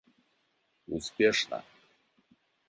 успешно